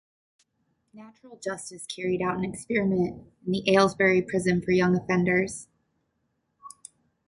Natural Justice carried out an experiment in the Aylesbury Prison for young offenders.